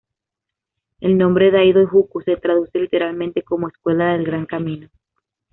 El nombre Daido-Juku se traduce literalmente como "Escuela del Gran Camino".